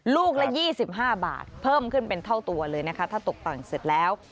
ลูกละ๒๕บาทเพิ่มขึ้นเป็นเท่าตัวเลยนะคะถ้าตกต่ำเสร็จแล้ว